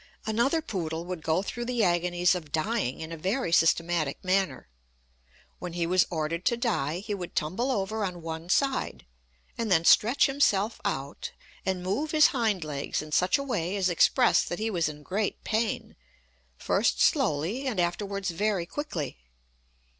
Another poodle would go through the agonies of dying in a very systematic manner. When he was ordered to die, he would tumble over on one side, and then stretch himself out, and move his hind legs in such a way as expressed that he was in great pain, first slowly and afterwards very quickly.